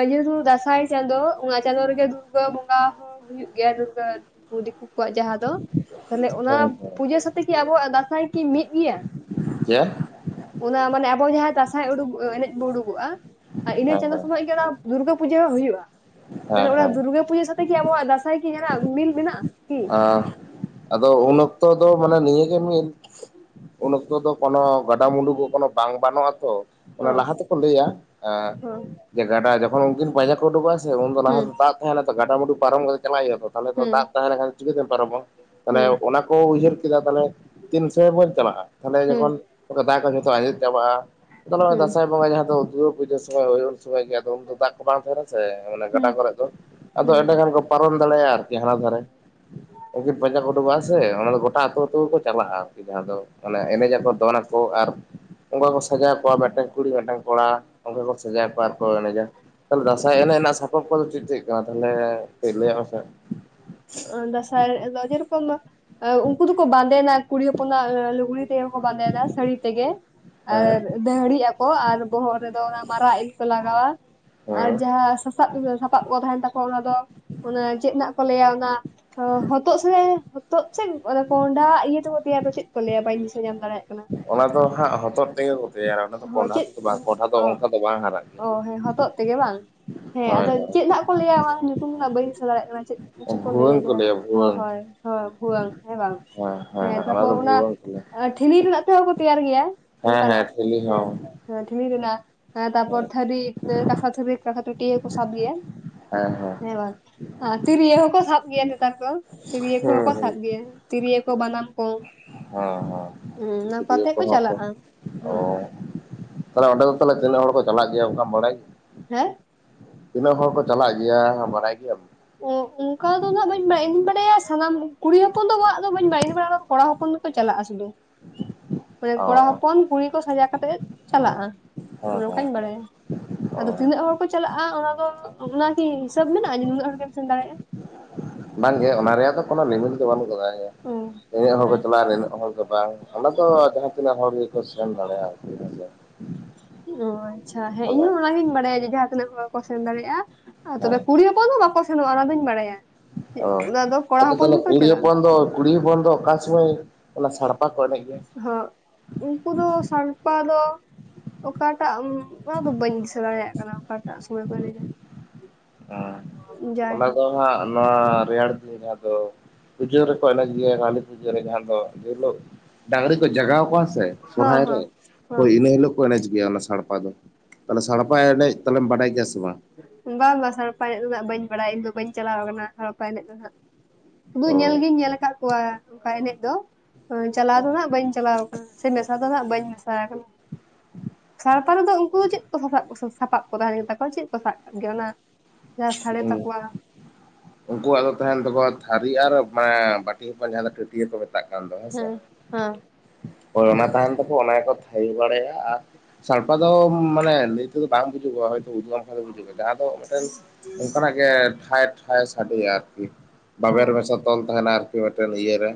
ᱡᱮᱦᱮᱛᱩ ᱫᱟᱸᱥᱟᱭ ᱪᱟᱸᱫ ᱚᱱᱟ ᱪᱟᱸᱫᱳ ᱨᱮᱜᱮ ᱫᱩᱨᱜᱟᱹ ᱵᱚᱸᱜᱟ ᱦᱚᱸ ᱦᱩᱭᱩᱜ ᱜᱮᱭᱟ ᱫᱤᱠᱩ ᱠᱚᱣᱟᱜ ᱡᱟᱦᱟᱸ ᱛᱟᱦᱞᱮ ᱚᱱᱟ ᱦᱳᱭ ᱦᱳᱭ ᱯᱩᱡᱟᱹ ᱥᱟᱛᱮ ᱠᱤ ᱟᱵᱚᱣᱟᱜ ᱫᱟᱸᱥᱟᱭ ᱠᱤ ᱢᱤᱫ ᱜᱮᱭᱟ ᱪᱮᱫ? ᱚᱱᱟ ᱢᱟᱱᱮ ᱟᱵᱚ ᱡᱟᱦᱟᱸ ᱫᱟᱸᱭ ᱩᱰᱩ ᱮᱱᱮᱡ ᱵᱚᱱ ᱩᱰᱩᱠᱚᱜᱼᱟ ᱟᱨ ᱤᱱᱟᱹ ᱦᱮᱸ ᱪᱟᱸᱫᱳ ᱦᱮᱸ ᱥᱚᱢᱚᱭ ᱜᱮ ᱚᱱᱟ ᱫᱩᱨᱜᱟᱹ ᱯᱩᱡᱟᱹ ᱦᱚᱸ ᱦᱩᱭᱩᱜᱼᱟ ᱦᱮᱸ ᱛᱟᱦᱞᱮ ᱚᱱᱟ ᱦᱮᱸ ᱫᱩᱨᱜᱟᱹ ᱯᱩᱡᱟᱹ ᱥᱟᱛᱮ ᱠᱤ ᱟᱵᱚᱣᱟᱜ ᱫᱟᱸᱥᱟᱭ ᱠᱤ ᱡᱟᱦᱟᱸᱱᱟᱜ ᱢᱤᱞ ᱢᱮᱱᱟᱜᱼᱟ ᱠᱤ ᱟᱨ ᱟᱫᱚ ᱩᱱ ᱦᱚᱸ ᱚᱠᱛᱚ ᱫᱚ ᱢᱟᱱᱮ ᱱᱤᱭᱟᱹᱜᱮ ᱢᱤᱫ ᱩᱱ ᱚᱠᱛᱚ ᱫᱚ ᱠᱚᱱᱚ ᱜᱟᱰᱟ ᱢᱩᱰᱩᱜ ᱠᱚᱱᱚ ᱵᱟᱝ ᱵᱟᱱᱚᱜᱼᱟ ᱛᱚ ᱚᱱᱟ ᱞᱟᱦᱟ ᱛᱮᱠᱚ ᱞᱟᱹᱭᱟ ᱦᱚᱸ ᱡᱮ ᱜᱟᱰᱟ ᱡᱚᱠᱷᱚᱱ ᱩᱱᱠᱤᱱ ᱯᱟᱸᱡᱟ ᱠᱚ ᱩᱰᱩᱠᱚᱜᱼᱟ ᱥᱮ ᱩᱱ ᱫᱚ ᱞᱟᱦᱟ ᱦᱚᱸ ᱫᱟᱜ ᱛᱟᱦᱮᱱᱟ ᱛᱚ ᱜᱟᱰᱟ ᱢᱩᱩ ᱯᱟᱨᱚᱢ ᱠᱟᱛᱮᱟᱞᱟᱜ ᱦᱩᱭᱩᱜᱼᱟ, ᱛᱚᱦᱚᱞᱮ ᱫᱚ ᱦᱩᱸ ᱫᱟᱜ ᱛᱟᱦᱮᱸ ᱞᱮᱱᱠᱷᱟᱱ ᱪᱤᱠᱟᱹᱛᱮᱢ ᱯᱟᱨᱚᱢᱟ? ᱛᱟᱦᱚᱞᱮ ᱦᱩᱸ ᱚᱱᱟ ᱠᱚ ᱩᱭᱦᱟᱹᱨ ᱠᱮᱫᱟ ᱛᱟᱦᱞᱮ ᱛᱤᱱᱥᱮ ᱵᱟᱹᱧ ᱪᱟᱞᱟᱜ-ᱟ᱾ ᱛᱟᱦᱚᱞᱮ ᱦᱩᱸ ᱡᱚᱠᱷᱚᱱ ᱫᱟᱜ ᱠᱚ ᱡᱷᱚᱛᱚ ᱟᱸᱡᱮᱫ ᱪᱟᱵᱟᱜ-ᱟ ᱛᱚ ᱦᱩᱸ ᱱᱟ ᱦᱩᱸ ᱫᱟᱸᱥᱟᱭ ᱵᱚᱸᱜᱟ ᱡᱟᱦᱟᱸ ᱫᱚ ᱫᱩᱨᱜᱟᱹ ᱯᱩᱡᱟᱹ ᱥᱚᱢᱚᱭ ᱦᱩᱭ ᱩᱱ ᱥᱚᱢᱚᱭ ᱜᱮ ᱟᱫᱚ ᱩᱱ ᱫᱚ ᱫᱟᱜ ᱠᱚ ᱵᱟᱝ ᱛᱟᱦᱮᱸᱱᱟ ᱥᱮ ᱜᱟᱰᱟ ᱦᱩᱸ ᱠᱚᱨᱮᱜ ᱫᱚ ᱟᱫᱚ ᱦᱩᱸ ᱮᱸᱰᱮᱠᱷᱟᱱ ᱯᱟᱨᱚᱢ ᱫᱟᱲᱮᱭᱟᱜ-ᱟ ᱟᱨᱠᱤ ᱦᱟᱱᱟ ᱫᱷᱟᱨᱮ ᱩᱱᱠᱤᱱ ᱯᱟᱸᱡᱟ ᱠᱚ ᱩᱰᱩᱠᱚᱜ-ᱟ ᱥᱮ ᱚᱱᱟ ᱫᱚ ᱜᱚᱴᱟ ᱟᱹᱛᱩ ᱟᱹᱛᱩ ᱜᱮ ᱠᱚ ᱪᱟᱞᱟᱜ-ᱟ ᱟᱨᱠᱤ ᱡᱟᱦᱟᱸ ᱫᱚ ᱚᱱᱮ ᱮᱱᱮᱡ ᱟᱠᱚ ᱫᱚᱱᱟ ᱠᱚ ᱟᱨ ᱚᱱᱠᱟ ᱠᱚ ᱥᱟᱡᱟᱣ ᱠᱚᱜ-ᱟ ᱢᱤᱫᱴᱟᱝ ᱠᱩᱲᱤ ᱢᱤᱫᱴᱟᱝ ᱠᱚᱲᱟ ᱚᱱᱠᱟ ᱠᱚ ᱥᱟᱡᱟᱣ ᱠᱚᱣᱟ ᱟᱨᱠᱚ ᱮᱱᱮᱡᱟ᱾ ᱛᱟᱦᱚᱞᱮ ᱫᱟᱸᱥᱟᱭ ᱮᱱᱮᱡ ᱨᱮᱱᱟᱜ ᱥᱟᱯᱟᱵ ᱠᱚᱫᱚ ᱪᱮᱫ ᱪᱮᱫ ᱠᱟᱱᱟ ᱛᱟᱦᱚᱞᱮ ᱠᱟᱹᱡ ᱞᱟᱹᱭᱟᱜ ᱢᱮᱥᱮ ᱫᱟᱸᱥᱟᱭ ᱡᱮ ᱨᱚᱠᱚᱢ ᱩᱱᱠᱩ ᱫᱚ ᱠᱚ ᱵᱟᱸᱫᱮᱱᱟ᱾ ᱠᱩᱲᱤ ᱦᱚᱯᱚᱱᱟᱜ ᱞᱩᱜᱽᱲᱤ ᱛᱮ ᱜᱮ ᱠᱚ ᱵᱟᱸᱫᱮᱱᱟ ᱥᱟᱹᱲᱤ ᱛᱮ ᱜᱮ ᱟᱨ ᱦᱮᱸ ᱫᱟᱹᱦᱲᱤᱜ ᱟᱠᱚ ᱟᱨ ᱵᱚᱦᱚᱜ ᱨᱮᱫᱚ ᱚᱱᱟ ᱢᱟᱨᱟᱜ ᱤᱞ ᱠᱚ ᱞᱟᱜᱟᱣᱟ ᱟᱨ ᱦᱮᱸ ᱡᱟᱦᱟᱸ᱾ ᱥᱟᱵ ᱥᱟᱯᱟᱵ ᱠᱚ ᱛᱟᱦᱮᱸᱱ ᱛᱟᱠᱚᱣᱟ ᱚᱱᱟ ᱫᱚ ᱪᱮᱫ ᱱᱟᱦᱟᱜ ᱠᱚ ᱞᱟᱹᱭᱟ ᱚᱱᱟ ᱦᱚᱛᱚᱫ ᱥᱮ ᱦᱚᱛᱚᱫ ᱥᱮ ᱠᱚᱸᱦᱰᱟ ᱤᱭᱟᱹ ᱛᱮᱠᱚ ᱛᱮᱭᱟᱚ ᱪᱮᱫ ᱠᱚ ᱞᱟᱹᱭᱟ ᱵᱟᱹᱧ ᱫᱤᱥᱟᱹ ᱧᱟᱢ ᱫᱟᱲᱮᱭᱟᱜ-ᱟ᱾ ᱚᱱᱟ ᱫᱚ ᱦᱟᱸᱜ ᱦᱚᱛᱚᱫ ᱛᱮᱜᱮ ᱠᱚ ᱛᱮᱭᱟᱨᱟ ᱚᱱᱟ ᱫᱚ ᱦᱚᱸ ᱠᱚᱸᱰᱷᱟ ᱪᱮᱫ ᱛᱮᱫᱚ ᱵᱟᱝ ᱠᱚᱸᱰᱷᱟ ᱫᱚ ᱚᱱᱠᱟ ᱫᱚ ᱵᱟᱝ ᱦᱟᱨᱟᱜ ᱜᱮᱭᱟ᱾ ᱦᱚᱛᱚᱜ ᱛᱮᱜᱮ ᱵᱟᱝ ᱦᱮᱸ ᱦᱳᱭ ᱟᱫᱚ ᱦᱳᱭ ᱪᱮᱫ ᱦᱟᱜ ᱠᱚ ᱞᱟᱹᱭᱟ ᱚᱱᱟ ᱧᱩᱛᱩᱢ ᱫᱚ ᱦᱟᱜ ᱵᱟᱹᱧ ᱫᱤᱥᱟᱹ ᱫᱟᱲᱮᱭᱟᱜ ᱠᱟᱱᱟ ᱪᱮᱫ ᱠᱤᱪᱷᱩ ᱠᱚ ᱞᱮᱭᱟ ᱵᱷᱩᱣᱟᱹᱝ ᱡᱟᱦᱟᱸ ᱞᱟᱹᱭᱟ ᱵᱷᱩᱣᱟᱹᱝ ᱦᱳᱭ ᱦᱳᱭ ᱵᱷᱩᱣᱟᱹᱝ ᱦᱮᱸ ᱵᱟᱝ ᱦᱮᱸ ᱫᱚ ᱛᱟᱯᱚᱨ ᱚᱱᱟ ᱵᱷᱩᱣᱟᱹᱝ ᱠᱚ ᱞᱟᱹᱭᱟ ᱴᱷᱤᱞᱤ ᱨᱮᱱᱟᱜ ᱛᱮᱦᱚᱸ ᱛᱮᱭᱟᱨ ᱜᱮᱭᱟ ᱦᱮᱸ ᱦᱮᱸ ᱚᱱᱠᱟᱱᱟᱜ ᱴᱷᱤᱞᱤ ᱦᱚᱸ ᱦᱮᱸ ᱴᱷᱤᱞᱤ ᱨᱮᱱᱟᱜ ᱛᱟᱯᱚᱨ ᱦᱮᱸ ᱛᱟᱹᱨᱤ ᱠᱟᱥᱟ ᱛᱷᱟᱹᱨᱤ ᱠᱟᱥᱟ ᱴᱟᱹᱴᱭᱟᱹ ᱠᱚ ᱥᱟᱵ ᱜᱮᱭᱟ ᱦᱮᱸ ᱦᱮᱸ ᱦᱮᱸ ᱦᱮᱸᱵᱟᱝ ᱛᱤᱨᱭᱳ ᱦᱚᱸᱠᱚ ᱥᱟᱵ ᱜᱮᱭᱟ ᱱᱮᱛᱟᱨ ᱠᱚ ᱛᱤᱨᱭᱳ ᱦᱮᱸ ᱠᱚᱦᱚᱸ ᱠᱚ ᱦᱮᱸ ᱥᱟᱵ ᱜᱮᱭᱟ ᱛᱤᱨᱭᱟᱹ ᱠᱚ ᱵᱟᱱᱟᱢ ᱠᱚ ᱦᱮᱸ ᱦᱩᱸ ᱦᱮᱸ ᱚᱱᱟ ᱠᱚ ᱛᱤᱨᱭᱟᱹ ᱟᱛᱮᱜ ᱠᱚᱦᱚᱸ ᱠᱚ ᱪᱟᱞᱟᱜᱼᱟ ᱦᱮᱸ ᱚ ᱛᱟᱦᱚᱞᱮ ᱚᱸᱰᱮ ᱫᱚ ᱛᱟᱦᱚᱞᱮ ᱛᱱᱟᱹᱜ ᱦᱚᱲ ᱠᱚ ᱪᱟᱞᱟᱜ ᱜᱮᱭᱟ ᱚᱱᱠᱟᱢ ᱵᱟᱰᱟᱭ ᱜᱮᱭᱟ ᱦᱮᱸ ᱛᱤᱱᱟᱹᱜ ᱦᱚᱲ ᱠᱚ ᱪᱟᱞᱟᱜ ᱜᱮᱭᱟ ᱵᱟᱲᱟᱭ ᱜᱮᱭᱟᱢ᱾ ᱚ ᱚᱱᱠᱟ ᱫᱚ ᱱᱟᱦᱟᱜ ᱵᱟᱹᱧ ᱵᱟᱲᱟᱭᱟ ᱤᱧ ᱫᱩᱧ ᱵᱟᱲᱟᱭᱟ ᱥᱟᱱᱟᱢ ᱠᱩᱲᱤ ᱦᱚᱯᱚᱱ ᱫᱚ ᱟᱜ ᱫᱚ ᱵᱟᱹᱧ ᱵᱟᱲᱟᱭᱟ ᱤᱧ ᱫᱩᱧ ᱵᱟᱲᱟᱭᱟ ᱠᱚᱲᱟ ᱦᱚᱯᱚᱱ ᱜᱮ ᱠᱚ ᱪᱟᱞᱟᱜ-ᱟ ᱥᱩᱫᱩ᱾ ᱢᱟᱱᱮ ᱠᱚᱲᱟ ᱚ ᱦᱚᱯᱚᱱ ᱠᱩᱲᱤ ᱠᱚ ᱥᱟᱡᱟ ᱠᱟᱛᱮ ᱜᱮ ᱪᱟᱞᱟᱜ-ᱟ ᱦᱮᱸ ᱚᱱᱮ ᱦᱮᱸ ᱚᱱᱠᱟᱧ ᱵᱟᱲᱟᱭᱟ᱾ ᱚ ᱟᱫᱚ ᱛᱤᱱᱟᱹᱜ ᱦᱚᱲ ᱠᱚ ᱪᱟᱞᱟᱜᱼᱟ ᱚᱱᱟᱫᱚ ᱚᱱᱟᱠᱤ ᱦᱤᱥᱟᱹᱵ ᱢᱮᱱᱟᱜ-ᱟ ᱡᱮ ᱱᱤᱱᱟᱹᱜ ᱦᱚᱲᱜᱮᱢ ᱥᱮᱱ ᱫᱟᱲᱮᱭᱟᱜ-ᱟ᱾ ᱵᱟᱝᱜᱮ ᱚᱱᱟ ᱨᱮᱭᱟᱜ ᱫᱚ ᱠᱳᱱᱳ ᱞᱤᱢᱤᱴ ᱫᱚ ᱵᱟᱹᱱᱩᱜ ᱟᱠᱟᱫᱟ ᱚ ᱱᱤᱱᱟᱹᱜ ᱦᱚᱲ ᱠᱚ ᱦᱮᱸ ᱪᱟᱞᱟᱜ-ᱟ ᱱᱤᱱᱟᱹᱜ ᱦᱚᱲ ᱠᱚ ᱵᱟᱝ ᱚᱸᱰᱮ ᱫᱚ ᱡᱟᱦᱟᱸ ᱛᱤᱱᱟᱹᱜ ᱦᱚᱲ ᱜᱮᱠᱚ ᱥᱮᱱ ᱫᱟᱲᱮᱭᱟᱜ-ᱟ ᱦᱮᱸ ᱥᱮ ᱚ ᱟᱪᱪᱷᱟ ᱦᱮᱸ ᱤᱧᱦᱚᱸ ᱚᱱᱟᱜᱤᱧ ᱵᱟᱲᱟᱭᱟ ᱡᱮ ᱡᱟᱦᱟᱸ ᱛᱤᱱᱟᱹᱜ ᱦᱚᱲ ᱜᱮ ᱠᱚ ᱥᱮᱱ ᱫᱟᱲᱮᱭᱟᱜ-ᱟ᱾ ᱟᱨ ᱛᱚᱵᱮ ᱦᱮᱸ ᱠᱩᱲᱤ ᱦᱚᱯᱚᱱ ᱫᱚ ᱵᱟᱠᱚ ᱥᱮᱱᱚᱜᱼᱟ ᱚᱱᱟ ᱫᱚᱧ ᱵᱟᱲᱟᱭᱟ ᱚ ᱚᱱᱟ ᱫᱚ ᱠᱚᱲᱟ ᱟᱪᱪᱷᱟ ᱦᱚᱯᱚᱱ ᱛᱟᱦᱚᱞᱮ ᱜᱮ ᱠᱚ ᱠᱩᱲᱤ ᱪᱟᱞᱟᱜᱼᱟ ᱦᱚᱯᱚᱱ ᱫᱚ ᱠᱩᱲᱤ ᱦᱚᱯᱚᱱ ᱫᱚ ᱚᱠᱟ ᱥᱩᱢᱟᱹᱭ ᱚᱱᱟ ᱥᱟᱲᱯᱟ ᱠᱚ ᱮᱱᱮᱡ ᱜᱮᱭᱟ᱾ ᱦᱚᱭ ᱩᱱᱠᱩ ᱫᱚ ᱥᱟᱲᱯᱟ ᱫᱚ ᱚᱠᱟᱴᱟᱜ ᱚᱱᱟ ᱫᱚ ᱵᱟᱹᱧ ᱫᱤᱥᱟᱹ ᱫᱟᱲᱮᱭᱟᱜ ᱠᱟᱱᱟ ᱚᱠᱟᱴᱟᱜ ᱥᱚᱢᱚᱭ ᱠᱚ ᱮᱱᱮᱡᱟ ᱟᱸ ᱚᱱᱟ ᱡᱟᱭᱦᱳᱠ ᱫᱚ ᱦᱟᱸᱜ ᱱᱚᱶᱟ ᱨᱮᱭᱟᱲ ᱫᱤᱱ ᱡᱟᱦᱟᱸ ᱫᱚ ᱯᱩᱡᱟᱹ ᱨᱮᱠᱚ ᱮᱱᱮᱡ ᱜᱮᱭᱟ ᱠᱟᱹᱞᱤ ᱯᱩᱡᱟᱹ ᱨᱮ ᱡᱟᱦᱟᱸ ᱫᱚ ᱡᱮ ᱦᱤᱞᱚᱜ ᱰᱟᱝᱨᱤ ᱠᱚ ᱡᱟᱜᱟᱣ ᱠᱚᱣᱟ ᱥᱮ, ᱦᱚᱸ ᱥᱚᱨᱦᱟᱭ ᱨᱮ, ᱦᱚᱸ ᱦᱳᱭ ᱤᱱᱟᱹ ᱦᱤᱞᱳᱜ ᱠᱚ ᱮᱱᱮᱡᱽ ᱜᱮᱭᱟ ᱚᱱᱟ ᱥᱟᱲᱯᱟ ᱫᱚ, ᱛᱟᱞᱦᱮ ᱥᱟᱲᱯᱟ ᱮᱱᱮᱡ ᱛᱟᱞᱦᱮᱢ ᱵᱟᱰᱟᱭ ᱜᱮᱭᱟ ᱥᱮ ᱵᱟᱝ ᱵᱟᱝ ᱵᱟᱝ ᱥᱟᱲᱯᱟ ᱮᱱᱮᱡ ᱫᱚ ᱦᱟᱸᱜ ᱵᱟᱹᱧ ᱵᱟᱲᱟᱭᱟ ᱤᱧᱫᱚ ᱵᱟᱹᱧ ᱪᱟᱞᱟᱣ ᱠᱟᱱᱟ ᱥᱟᱲᱯᱟ ᱮᱱᱮᱡ ᱫᱚ ᱦᱟᱸᱜ ᱫᱩ ᱧᱮᱞ ᱚ ᱜᱤᱧ ᱧᱮᱞ ᱟᱠᱟᱫ ᱠᱚᱣᱟ ᱚᱝᱠᱟ ᱮᱱᱮᱡ ᱫᱚ ᱟᱹ ᱪᱟᱞᱟᱣ ᱫᱚ ᱦᱟᱜ ᱵᱟᱹᱧ ᱪᱟᱞᱟᱣ ᱟᱠᱟᱱᱟ ᱛᱤᱱᱟᱹᱜ ᱥᱟᱫᱽ ᱫᱚ ᱦᱟᱸᱜ ᱵᱟᱹᱧ ᱢᱮᱥᱟ ᱟᱠᱟᱱᱟ ᱥᱟᱲᱯᱟ ᱨᱮᱫᱚ ᱩᱝᱠᱩ ᱫᱚ ᱪᱮᱫ ᱠᱚ ᱥᱟᱯᱟᱵ ᱥᱟᱯᱟᱵ ᱠᱚ ᱛᱟᱦᱮᱱ ᱜᱮᱛᱟᱠᱚᱣᱟ ᱪᱮᱫ ᱠᱚ ᱥᱟᱵ ᱠᱟᱜ ᱜᱮᱭᱟ ᱚᱱᱟ ᱡᱟᱦᱟᱸ ᱥᱟᱲᱮ ᱛᱟᱠᱚᱣᱟ ᱩᱝᱠᱩᱣᱟᱜ ᱫᱚ ᱛᱟᱦᱮᱱ ᱛᱟᱠᱚᱣᱟ ᱛᱷᱟᱨᱤ ᱟᱨ ᱢᱟᱱᱮ ᱵᱟᱹᱴᱤ ᱦᱚᱯᱚᱱ ᱡᱟᱦᱟᱸ ᱫᱚ ᱴᱷᱟᱹᱴᱤᱭᱟᱹ ᱠᱚ ᱢᱮᱛᱟᱜ ᱛᱟᱜ ᱠᱟᱱ ᱫᱚ ᱦᱮᱸᱥᱮ, ᱦᱮᱸ ᱦᱮᱸ ᱦᱳᱭ ᱚᱱᱟ ᱛᱟᱦᱮᱱ ᱛᱟᱠᱚᱣᱟ ᱚᱱᱟ ᱜᱮᱠᱚ ᱛᱷᱟᱭᱳ ᱵᱟᱲᱟᱭᱟ ᱟᱨ ᱥᱟᱲᱯᱟ ᱫᱚ ᱢᱟᱱᱮ ᱱᱤᱛᱚᱜ ᱫᱚ ᱵᱟᱝ ᱵᱩᱡᱩᱜᱚᱜᱼᱟ ᱦᱳᱭ ᱛᱚ ᱩᱫᱩᱜ-ᱟᱢ ᱚᱱᱠᱟ ᱜᱮ ᱵᱩᱡᱩᱜᱚᱜ-ᱟ ᱟᱫᱚ ᱢᱤᱫᱴᱮᱱ ᱚᱱᱠᱟ ᱱᱟᱜ ᱜᱮ ᱴᱷᱟᱭ ᱴᱷᱟᱭ ᱥᱟᱰᱮᱭᱟ ᱟᱨᱠᱤ ᱵᱟᱵᱮᱨ ᱦᱚᱸ ᱢᱮᱥᱟ ᱛᱚᱞ ᱛᱟᱦᱮᱱᱟ ᱟᱨᱠᱤ ᱢᱤᱫᱴᱮᱱ ᱤᱭᱟᱹᱨᱮ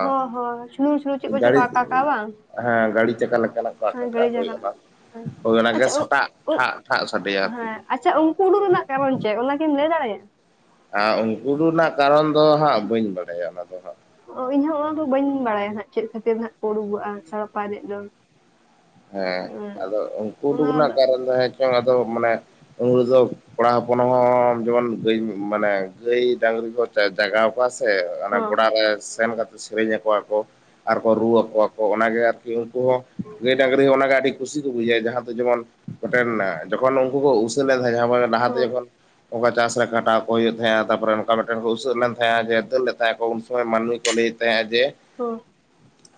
ᱦᱚᱸ ᱦᱚᱸ ᱦᱚᱸ ᱥᱩᱱᱩᱢ ᱥᱩᱱᱩᱢ ᱪᱮᱫ ᱟᱸ ᱠᱚᱪᱚ ᱠᱚ ᱜᱟᱲᱤᱡ ᱟᱠᱟ ᱠᱟᱜᱼᱟ ᱵᱟᱝ ᱦᱮᱸ ᱜᱟᱲᱤ ᱪᱟᱠᱟ ᱞᱮᱠᱟᱱᱟᱜ ᱦᱮᱸ ᱜᱟᱹᱲᱤ ᱟᱠᱟᱠᱟᱜ ᱡᱟᱭᱜᱟ ᱦᱩᱭᱩᱜᱼᱟ ᱞᱮᱠᱟᱱᱟᱜ ᱦᱮᱸ ᱦᱳᱭ ᱚᱱᱟᱜᱮ ᱟᱪᱪᱷᱟ ᱥᱟᱴᱟᱜ ᱴᱷᱟᱜ ᱴᱷᱟᱜ ᱥᱟᱰᱮᱭᱟ ᱟᱨᱠᱤ ᱟᱪᱷᱟ ᱩᱱᱠᱩ ᱩᱰᱩᱜ ᱨᱮᱱᱟᱜ ᱠᱟᱨᱚᱱ ᱪᱮᱫ ᱚᱱᱟᱠᱤᱢ ᱞᱟᱹᱭ ᱫᱟᱲᱮᱭᱟᱜᱼᱟ? ᱟᱸᱻ ᱩᱱᱠᱩ ᱨᱩ ᱨᱮᱱᱟᱜ ᱠᱟᱨᱚᱱ ᱫᱚ ᱦᱟᱸᱜ ᱵᱟᱹᱧ ᱵᱟᱲᱟᱭᱟ ᱚᱱᱟ ᱫᱚ ᱦᱟᱸᱜ ᱚ ᱤᱧᱦᱚᱸ ᱚᱱᱟᱫᱚ ᱵᱟᱹᱧ ᱵᱟᱲᱟᱭᱟ ᱦᱟᱸᱜ ᱪᱮᱫ ᱠᱷᱟᱹᱛᱤᱨ ᱦᱟᱸᱜ ᱠᱚ ᱩᱰᱩᱜᱚᱜᱼᱟ ᱥᱟᱲᱯᱟ ᱮᱱᱮᱡ ᱫᱚ ᱦᱮᱸ ᱟᱫᱚ ᱩᱝᱠᱩ ᱩᱰᱩᱠ ᱨᱮᱱᱟᱜ ᱠᱟᱨᱚᱱ ᱫᱚ ᱦᱮᱸ ᱪᱚᱝ ᱟᱫᱚ ᱢᱟᱱᱮ ᱩᱱ ᱦᱤᱞᱳᱜ ᱫᱚ ᱠᱚᱲᱟ ᱦᱚᱯᱚᱱ ᱦᱚᱸ ᱡᱮᱢᱚᱱ ᱜᱟᱹᱭ ᱢᱟᱱᱮ ᱜᱟᱹᱭ ᱰᱟᱝᱨᱤ ᱠᱚ ᱛᱮ ᱡᱟᱜᱟᱣ ᱠᱚᱣᱟ ᱥᱮ ᱚᱱᱮ ᱦᱚᱸ ᱜᱚᱲᱟ ᱨᱮ ᱥᱮᱱ ᱠᱟᱛᱮ ᱥᱮᱨᱮᱧ ᱟᱠᱚᱣᱟ ᱠᱚ, ᱟᱨᱠᱚ ᱨᱩ ᱟᱠᱚᱣᱟ ᱠᱚ, ᱚᱱᱟᱜᱮ ᱟᱨᱠᱤ ᱩᱱᱠᱩ ᱦᱚᱸ ᱜᱟᱹᱭ ᱰᱟᱹᱝᱨᱤ ᱦᱚᱸ ᱚᱱᱟᱜᱮ ᱟᱹᱰᱤ ᱠᱩᱥᱤ ᱠᱚ ᱵᱩᱡᱷᱟᱹᱣᱟ ᱡᱟᱦᱟᱸ ᱠᱚ ᱡᱮᱢᱚᱱ ᱢᱮᱫᱴᱮᱱ ᱡᱚᱠᱷᱚᱱ ᱩᱝᱠᱩ ᱠᱚ ᱩᱥᱟᱹᱫ ᱞᱮᱱᱠᱷᱟᱱ ᱛᱟᱦᱮᱸ ᱡᱟᱦᱟᱸ ᱞᱟᱦᱟ ᱛᱮ ᱦᱚᱸ ᱡᱚᱠᱷᱚᱱ ᱚᱝᱠᱟ ᱪᱟᱥ ᱨᱮ ᱠᱷᱟᱴᱟᱣ ᱠᱚ ᱦᱩᱭᱩᱜ ᱛᱟᱦᱮᱸᱜᱼᱟ ᱛᱟᱨᱯᱚᱨ ᱚᱱᱠᱟ ᱢᱤᱫᱴᱮᱱ ᱠᱚ ᱩᱥᱟᱹᱜ ᱞᱮᱱ ᱛᱟᱦᱮᱸᱜ-ᱟ ᱡᱮ ᱫᱟᱹᱲ ᱞᱮᱫ ᱛᱟᱦᱮᱸᱜ ᱠᱚ ᱩᱱ ᱥᱚᱢᱚᱭ ᱢᱟᱹᱱᱢᱤ ᱠᱚ ᱞᱟᱹᱭᱮᱫ ᱛᱟᱦᱮᱸᱜ-ᱟ ᱡᱮ, ᱦᱚᱸ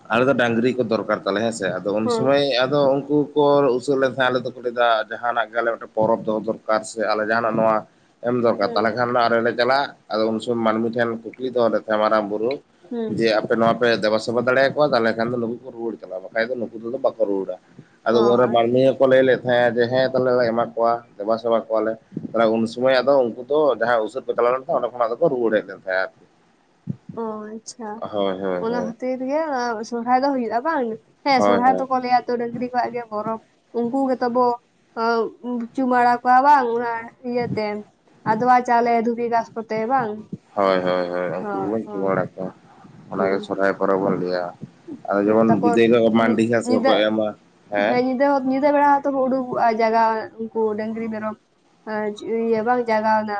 ᱟᱞᱮ ᱫᱚ ᱰᱟᱝᱨᱤ ᱠᱚ ᱫᱚᱨᱠᱟᱨ ᱛᱟᱞᱮ ᱦᱮᱸᱥᱮ ᱟᱫᱚ ᱩᱱ ᱥᱚ ᱦᱚᱸ ᱦᱮᱸ ᱟᱫᱚ ᱩᱱᱠᱩ ᱠᱚ ᱩᱥᱟᱹᱫ ᱞᱮᱱ ᱛᱟᱦᱮᱸ ᱟᱞᱮ ᱫᱚᱠᱚ ᱞᱟᱹᱭᱫᱟ ᱡᱟᱸᱦᱟᱱᱟᱜ ᱜᱮ ᱟᱞᱮ ᱢᱤᱫᱴᱮᱱ ᱯᱚᱨᱚᱵᱽ ᱫᱚᱦᱚ ᱫᱚᱨᱠᱟ ᱫᱚᱠᱟᱨ ᱥᱮ ᱟᱞᱮ ᱡᱟᱸᱦᱟᱱᱟᱜ ᱱᱚᱣᱟ ᱮᱢ ᱫᱚᱨᱠᱟᱨ ᱦᱩᱸ ᱛᱟᱦᱞᱮ ᱠᱷᱟᱱ ᱟᱞᱮ ᱞᱮ ᱪᱟᱞᱟᱜ ᱟᱫᱚ ᱩᱱ ᱥᱚᱢᱚᱭ ᱢᱟᱹᱱᱢᱤ ᱢᱟᱹᱱᱢᱤ ᱴᱷᱮᱱ ᱱᱤᱛ ᱫᱚ ᱚᱱᱰᱮ ᱫᱚ‌ ᱢᱟᱨᱟᱝ ᱵᱩᱨᱩ ᱦᱩᱸ ᱡᱮ ᱟᱯᱮ ᱱᱚᱣᱟᱯᱮ ᱫᱮᱵᱟᱥᱮᱵᱟ ᱫᱟᱲᱮᱭᱟᱠᱚᱣᱟ ᱛᱟᱞᱦᱮ ᱠᱷᱟᱱ ᱫᱚ ᱱᱩᱠᱩ ᱠᱚ ᱨᱩᱣᱟᱹᱲ ᱪᱟᱞᱟᱜᱼᱟ ᱵᱟᱠᱷᱟᱡ ᱱᱩᱠᱩ ᱫᱚ ᱱᱩᱠᱩ ᱠᱚᱫᱚ ᱵᱟᱠᱚ ᱨᱩᱣᱟᱹᱲᱟ ᱟᱫᱚ ᱚ ᱚᱱᱟ ᱵᱟᱨ ᱱᱤᱭᱚᱢ ᱠᱚ ᱞᱟᱹᱭ ᱞᱮᱫ ᱛᱟᱦᱮᱸᱜ-ᱟ ᱡᱮ ᱦᱮᱸ ᱛᱟᱦᱞᱮ ᱞᱮ ᱮᱢᱟ ᱠᱚᱣᱟ ᱫᱮᱵᱟ ᱥᱮᱵᱟ ᱠᱚᱣᱟᱞᱮ ᱛᱟᱦᱞᱮ ᱩᱱ ᱥᱚᱢᱚᱭ ᱟᱫᱚ ᱩᱱᱠᱩ ᱫᱚ ᱡᱟᱦᱟᱸᱭ ᱩᱥᱟᱹᱫ ᱪᱟᱞᱟᱣ ᱞᱮᱱ ᱠᱚ ᱚᱸᱰᱮ ᱠᱷᱚᱱᱟᱜ ᱫᱚᱠᱚ ᱠᱚ ᱨᱩᱣᱟᱹᱲ ᱦᱮᱡ ᱞᱮᱱ ᱛᱟᱦᱮᱡ-ᱟ ᱚ ᱟᱪᱪᱷᱟ ᱚᱱᱟ ᱠᱷᱟᱹᱛᱤᱨ ᱛᱮᱜᱮ ᱚᱱᱟ ᱥᱚᱨᱦᱟᱭ ᱫᱚ ᱦᱩᱭᱩᱜᱼᱟ ᱵᱟᱝ ᱦᱮᱸ ᱦᱳᱭ ᱥᱚᱨᱦᱟᱭ ᱦᱳᱭ ᱦᱚ ᱛᱚ ᱠᱚ ᱞᱟᱹᱭᱟ ᱛᱚ ᱰᱟᱹᱝᱨᱤ ᱠᱚᱣᱟᱜ ᱜᱮ ᱵᱚᱨᱚ ᱩᱱᱠᱩ ᱜᱮᱛᱚᱵᱚ ᱟᱸᱻ ᱪᱩᱢᱟᱹᱲᱟ ᱠᱚᱣᱟ ᱵᱟᱝ ᱚᱱᱟ ᱤᱭᱟᱹᱛᱮ ᱟᱫᱣᱟ ᱪᱟᱣᱞᱮ ᱫᱷᱩᱵᱤ ᱜᱷᱟᱸᱥ ᱠᱚᱛᱮ ᱵᱟᱝ, ᱦᱳᱭ ᱦᱳᱭ ᱵᱟᱲᱟ ᱠᱚᱣᱟ ᱚᱱᱟᱜᱮ ᱦᱩᱸ ᱥᱚᱨᱦᱟᱭ ᱯᱨᱚᱵᱚᱽ ᱵᱚᱱ ᱞᱟᱹᱭᱟ ᱟᱫᱚ ᱦᱮᱸ ᱡᱮᱢᱚᱱ ᱛᱟᱯᱚᱨ ᱵᱤᱫᱟᱹᱭ ᱦᱤᱞᱳᱜ ᱢᱟᱱᱰᱤ ᱜᱷᱟᱸᱥ ᱠᱚᱠᱚ ᱮᱢᱟ, ᱦᱮᱸ ᱡᱟᱭᱦᱳᱠ ᱧᱤᱱᱫᱟᱹᱵᱮᱲᱟ ᱡᱚᱛᱚ ᱠᱚ ᱩᱰᱩᱠᱚᱜᱼᱟ ᱡᱟᱜᱟᱣ ᱩᱱᱠᱩ ᱰᱟᱹᱝᱨᱤ ᱢᱮᱨᱚᱢ ᱤᱭᱟᱹ ᱵᱟᱝ ᱡᱟᱜᱟᱣᱱᱟ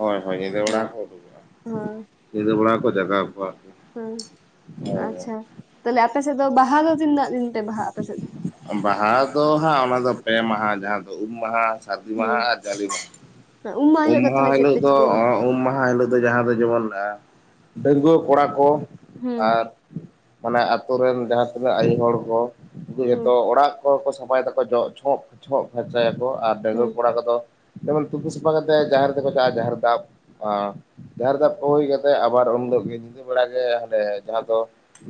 ᱦᱳᱭ ᱦᱳᱭ ᱧᱤᱫᱟᱹ ᱵᱮᱲᱟ ᱦᱮᱸ ᱠᱚ ᱩᱰᱩᱠᱚᱜᱼᱟ, ᱦᱮᱸ ᱧᱤᱫᱟᱹ ᱵᱮᱲᱟ ᱠᱚ ᱡᱟᱜᱟᱣ ᱠᱚᱣᱟ ᱦᱩᱸ, ᱟᱪᱪᱷᱟ, ᱦᱳᱭ ᱛᱟᱞᱦᱮ ᱟᱯᱮ ᱥᱮᱫ ᱫᱚ ᱵᱟᱦᱟ ᱫᱚ ᱛᱤᱱᱟᱹᱜ ᱫᱤᱱ ᱯᱮ ᱵᱟᱦᱟᱜ-ᱟ ᱟᱯᱮ ᱥᱮᱫ ᱫᱚ ᱵᱟᱦᱟ ᱫᱚ ᱦᱟᱸᱜ ᱚᱱᱟ ᱫᱚ ᱯᱮ ᱢᱟᱦᱟ ᱡᱟᱦᱟ ᱫᱚ ᱩᱢ ᱢᱟᱦᱟ, ᱥᱟᱹᱨᱫᱤ ᱢᱟᱦᱟ, ᱦᱮᱸ ᱟᱨ ᱡᱟᱞᱮ ᱢᱟᱦᱟ ᱩᱢ ᱦᱤᱞᱳᱜ ᱫᱚ ᱛᱟᱦᱞᱮ ᱢᱟᱦᱟ ᱪᱮᱫ ᱦᱤᱞᱳᱜ ᱯᱮ ᱫᱚ, ᱪᱤᱠᱟᱹᱭᱟ ᱩᱢ ᱢᱟᱦᱟ ᱦᱤᱞᱳᱜ ᱟᱫᱚ ᱡᱟᱦᱟᱸ ᱫᱚ ᱡᱮᱢᱚᱱ ᱟ ᱰᱟᱺᱜᱣᱟᱹ ᱠᱚᱲᱟ ᱠᱚ ᱦᱮᱸ ᱟᱨ ᱢᱟᱱᱮ ᱟᱛᱳ ᱨᱮᱱ ᱡᱟᱦᱟᱸ ᱛᱤᱱᱟᱹᱜ ᱟᱭᱩ ᱦᱚᱲ ᱠᱚ ᱩᱱᱠᱩ ᱦᱮᱸ ᱡᱚᱛᱚ ᱚᱲᱟᱜ ᱠᱚ ᱥᱟᱯᱷᱟᱭ ᱫᱟᱠᱚ ᱡᱚ ᱪᱷᱚᱜ ᱪᱷᱚᱜ ᱯᱷᱟᱨᱪᱟᱭᱟ ᱠᱚ ᱟᱨ ᱰᱟᱜᱣᱟᱹ ᱦᱮᱸ ᱠᱚᱲᱟ ᱠᱚᱫᱚ ᱡᱮᱢᱚᱱ ᱛᱩᱯᱩ ᱥᱟᱯᱷᱟ ᱚᱱᱠᱟ ᱠᱟᱛᱮ ᱡᱟᱦᱮᱟᱨ ᱛᱮᱠᱚ ᱪᱷᱟᱜᱼᱟ ᱡᱟᱦᱮᱟᱨ ᱫᱟᱵ ᱡᱟᱦᱮᱨ ᱫᱟᱵ ᱠᱚ ᱦᱩᱭ ᱠᱟᱛᱮᱜ ᱟᱵᱟᱨ ᱩᱱ ᱦᱤᱞᱳᱜ ᱜᱮ ᱧᱤᱫᱟᱹ ᱵᱮᱲᱟ ᱜᱮ ᱦᱟᱰᱮ ᱡᱟᱦᱟᱸ ᱫᱚ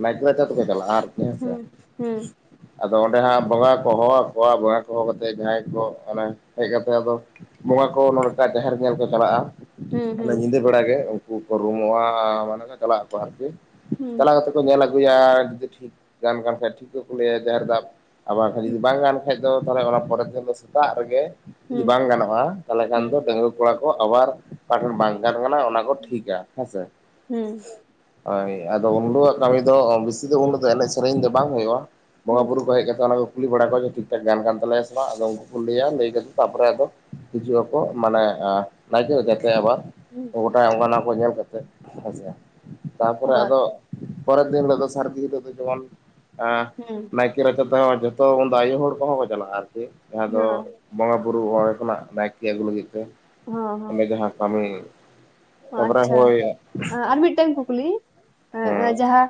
ᱱᱟᱭᱠᱮ ᱨᱟᱪᱟ ᱜᱮᱠᱚ ᱪᱟᱞᱟᱜ ᱟ ᱟᱨ ᱦᱩᱸ ᱦᱩᱸ ᱟᱫᱚ ᱚᱸᱰᱮ ᱦᱟᱸᱜ ᱵᱚᱸᱜᱟ ᱠᱚ ᱦᱚᱦᱚ ᱟᱠᱚᱣᱟ ᱵᱚᱸᱜᱟ ᱠᱚ ᱦᱚᱦᱚ ᱠᱟᱛᱮᱫ ᱡᱟᱦᱟᱸᱭ ᱠᱚ ᱚᱱᱮ ᱦᱮᱡ ᱠᱟᱛᱮ ᱟᱫᱚ ᱵᱚᱸᱜᱟ ᱠᱚ ᱱᱚᱝᱠᱟ ᱡᱟᱦᱮᱨ ᱧᱮᱞ ᱠᱚ ᱪᱟᱞᱟᱜᱼᱟ ᱦᱮᱸ ᱦᱮᱸ ᱚᱱᱟ ᱦᱮᱸ ᱧᱤᱫᱟᱹ ᱵᱮᱲᱟ ᱜᱮ ᱩᱱᱠᱩ ᱠᱚ ᱨᱩᱢᱩᱜᱼᱟ ᱢᱟᱱᱮ ᱪᱟᱞᱟᱜ ᱟᱠᱚ ᱟᱨᱠᱤ ᱦᱮᱸ ᱪᱟᱞᱟᱣ ᱠᱟᱛᱮ ᱠᱚ ᱧᱮᱞ ᱟᱹᱜᱩᱭᱟ ᱡᱩᱫᱤ ᱴᱷᱤᱠ ᱜᱟᱱ ᱠᱟᱱ ᱠᱷᱟᱡ ᱴᱷᱤᱠ ᱜᱮᱠᱚ ᱞᱟᱹᱭᱟ ᱡᱟᱦᱮᱸᱨ ᱫᱟᱵ ᱟᱨ ᱡᱩᱫᱤ ᱵᱟᱝ ᱜᱟᱱ ᱠᱷᱟᱡ ᱟᱫᱚ ᱛᱟᱦᱚᱞᱮ ᱚᱱᱟ ᱯᱚᱨᱮ ᱥᱮᱫ ᱫᱚ ᱥᱮᱛᱟᱜ ᱨᱮᱜᱮ ᱡᱩᱫᱤ ᱦᱮᱸ ᱵᱟᱝ ᱜᱟᱱᱚᱜᱼᱟ ᱛᱟᱦᱚᱞᱮ ᱠᱷᱟᱱ ᱦᱮᱸ ᱫᱚ ᱰᱟᱸᱜᱩᱭᱟ ᱠᱚᱲᱟ ᱠᱚ ᱟᱵᱟᱨ ᱚᱠᱟ ᱴᱷᱮᱱ ᱵᱟᱝ ᱜᱟᱱ ᱟᱠᱟᱱᱟ ᱚᱱᱟ ᱠᱚ ᱴᱷᱤᱠᱟ ᱦᱮᱸᱥᱮ ᱦᱮᱸ ᱵᱟᱭ ᱦᱳᱭ ᱟᱫᱚ ᱩᱱᱣᱟᱜ ᱠᱟᱹᱢᱤ ᱫᱚ ᱵᱮᱥᱤ ᱫᱚ ᱩᱱᱟᱹᱜ ᱫᱚ ᱮᱱᱮᱡ ᱥᱮᱨᱮᱧ ᱫᱚ ᱵᱟᱝ ᱦᱩᱭᱩᱜᱼᱟ ᱵᱚᱸᱜᱟ ᱵᱩᱨᱩ ᱦᱮᱸ ᱠᱚ ᱦᱮᱡ ᱠᱟᱛᱮ ᱚᱱᱟ ᱠᱚ ᱠᱩᱞᱤ ᱵᱟᱲᱟ ᱠᱚᱣᱟᱮ ᱴᱷᱤᱠ ᱴᱷᱟᱠ ᱜᱟᱱ ᱠᱟᱱ ᱛᱟᱞᱮᱭᱟ ᱥᱮ ᱟᱫᱚ ᱩᱱᱠᱩ ᱠᱚ ᱞᱟᱹᱭᱟ ᱞᱟᱹᱭ ᱠᱟᱛᱮ ᱛᱯᱚᱨᱮ ᱟᱫᱚ ᱦᱤᱡᱩᱜ ᱟᱠᱚ ᱢᱟᱱᱮ ᱱᱟᱭᱠᱮ ᱡᱟᱛᱮ ᱟᱵᱟᱨ ᱜᱚᱴᱟ ᱚᱱᱟᱱᱟ ᱠᱚ ᱧᱮᱞ ᱠᱟᱛᱮᱜ ᱟᱪᱪᱷᱟ ᱛᱟᱯᱚᱨᱮ ᱦᱳᱭ ᱟᱫᱚ ᱯᱚᱨᱮᱨ ᱫᱤᱱ ᱦᱤᱞᱳᱜ ᱫᱚ ᱥᱟᱹᱨᱫᱤ ᱦᱤᱞᱟᱹᱜ ᱫᱚ ᱡᱮᱢᱚᱱ ᱮ ᱦᱩᱸ ᱱᱟᱭᱠᱮ ᱨᱟᱪᱟ ᱛᱮᱦᱚᱸ ᱡᱚᱛᱚ ᱩᱱᱫᱚ ᱟᱭᱳ ᱦᱚᱲ ᱠᱚᱦᱚᱸ ᱠᱚ ᱪᱟᱞᱟᱜᱼᱟ ᱟᱨᱠᱤ ᱡᱟᱦᱟᱸ ᱫᱚ ᱦᱚᱸ ᱵᱚᱸᱜᱟ ᱵᱩᱨᱩ ᱦᱚᱲ ᱠᱷᱚᱱᱟᱜ ᱱᱟᱭᱠᱮ ᱟᱹᱜᱩ ᱞᱟᱹᱜᱤᱫ ᱛᱮ ᱦᱚᱸ ᱦᱚᱸ ᱚᱰᱮ ᱡᱟᱦᱟᱸ ᱠᱟᱹᱢᱤ ᱛᱟᱯᱚᱨᱮ ᱟᱪᱪᱷᱟ ᱦᱳᱭ ᱟᱨ ᱢᱤᱫ ᱴᱮᱱ ᱠᱩᱠᱞᱤ ᱮ ᱦᱮᱸ ᱡᱟᱦᱟᱸ